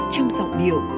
trong giọng điệu